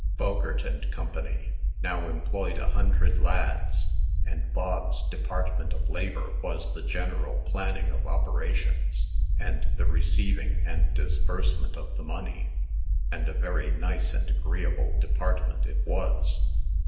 Bogert & Co. now employed a hundred lads; and Bog's department of labor was the general planning of operations, and the receiving and disbursement of the money and a very nice and agreeable department it was.